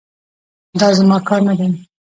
دا زما کار نه دی.